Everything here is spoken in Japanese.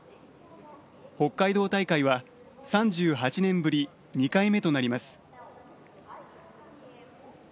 北海道大会は３８年ぶり２回目となります。